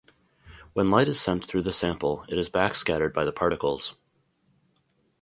When light is sent through the sample, it is back scattered by the particles.